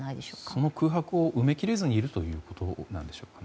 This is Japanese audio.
その空白を埋め切れずにいるということなんでしょうか。